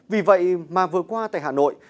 vì vậy mà vừa qua tại hà nội